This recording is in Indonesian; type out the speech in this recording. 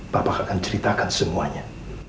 bapak akan ceritakan semuanya